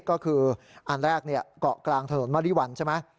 ก็คืออันแรกเกาะกลางถนนมริวัลใช่ไหม